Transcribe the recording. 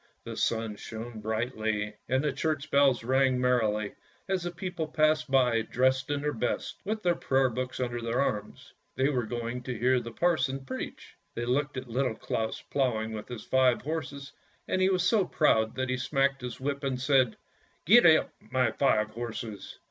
The sun shone brightly and the church bells rang merrily as the people passed by, dressed in their best, with their prayer books under their arms. They were going to hear the parson preach. They looked at Little Claus ploughing with his five horses, and he was so proud that he smacked his whip and^said, " Gee up, my five horses."